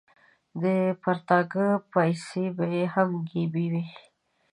د پرتاګه پایڅې به یې هم ګیبي وې.